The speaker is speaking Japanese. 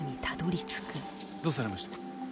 どうされました？